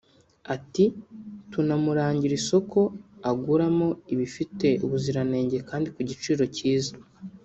Ati “Tunamurangira isoko aguramo ibifite ubuziranenge kandi ku giciro cyiza